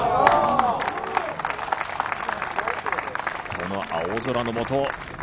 この青空のもと。